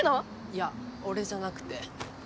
いや俺じゃなくて。